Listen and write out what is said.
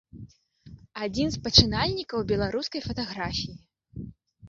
Адзін з пачынальнікаў беларускай фатаграфіі.